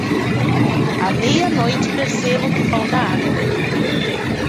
À meia-noite percebo que falta água.